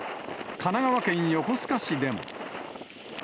神奈川県横須賀市でも。